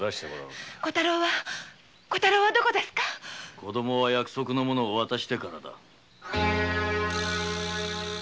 ・子供は約束の物を渡してからだ。